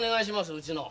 うちの。